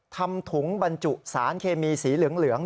ทำถุงบรรจุสารเคมีสีเหลือง